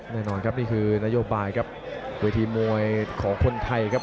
แน่นอนครับนี่คือนโยบายครับเวทีมวยของคนไทยครับ